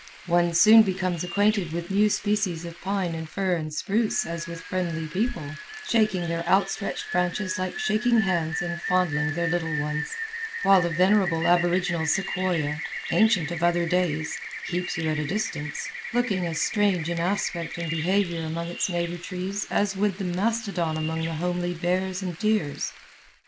One soon becomes acquainted with new species of pine and fir and spruce as with friendly people, shaking their outstretched branches like shaking hands and fondling their little ones, while the venerable aboriginal sequoia, ancient of other days, keeps you at a distance, looking as strange in aspect and behavior among its neighbor trees as would the mastodon among the homely bears and deers.